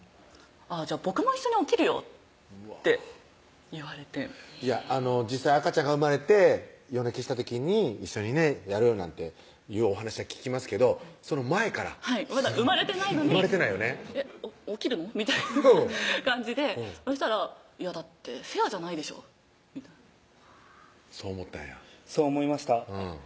「じゃあ僕も一緒に起きるよ」って言われて実際赤ちゃんが生まれて夜泣きした時に一緒にねやるよなんていうお話は聞きますけどその前からはいまだ生まれてないのに起きるの？みたいな感じでそしたら「いやだってフェアじゃないでしょ」みたいなそう思ったんやそう思いました